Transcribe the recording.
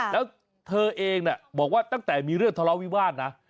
แล้วเธอเองบอกว่าตั้งแต่มีเรื่องทะเลาวิวาสนะ